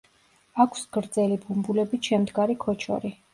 აქვს გრძელი ბუმბულებით შემდგარი ქოჩორი.